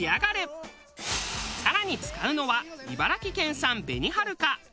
更に使うのは茨城県産べにはるか。